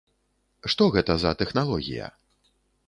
Што гэта за тэхналогія?